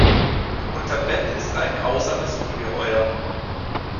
Unterm Bett ist ein grausames Ungeheuer!